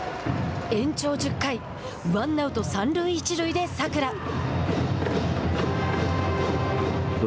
延長１０回ワンアウト、三塁一塁で佐倉。